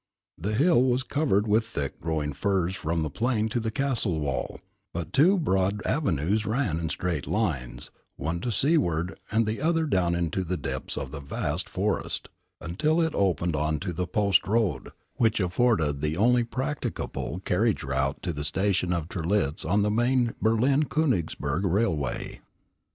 The hill was covered with thick growing firs from the plain to the castle wall, but two broad avenues ran in straight lines, one to seaward, and the other down into the depths of the vast forest, until it opened on to the post road, which afforded the only practicable carriage route to the station of Trelitz on the main Berlin Königsberg Railway.